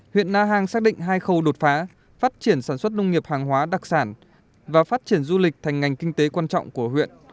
huyện na hàng xác định hai khâu đột phá phát triển sản xuất nông nghiệp hàng hóa đặc sản và phát triển du lịch thành ngành kinh tế quan trọng của huyện